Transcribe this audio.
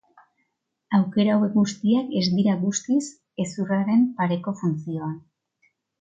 Aukera hauek guztiak ez dira guztiz hezurraren pareko funtzioan.